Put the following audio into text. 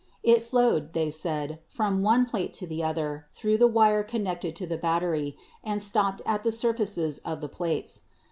It flowed, they said, from one plate to the other through the wire connected to the battery, and stopped at the sur faces of the plates.